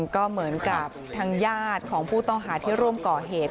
ก็เหมือนกับทางญาติของผู้ต้องหาที่ร่วมก่อเหตุ